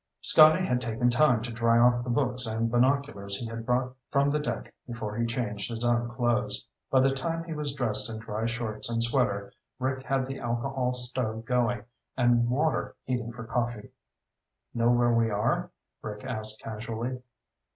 Scotty had taken time to dry off the books and binoculars he had brought from the deck before he changed his own clothes. By the time he was dressed in dry shorts and sweater, Rick had the alcohol stove going and water heating for coffee. "Know where we are?" Rick asked casually.